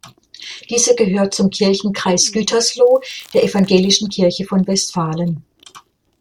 Diese gehört zum Kirchenkreis Gütersloh der Evangelischen Kirche von Westfalen.